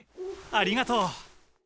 ありがとう。